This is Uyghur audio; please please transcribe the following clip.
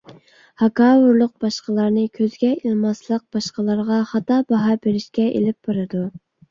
ھاكاۋۇرلۇق، باشقىلارنى كۆزگە ئىلماسلىق باشقىلارغا خاتا باھا بېرىشكە ئېلىپ بارىدۇ.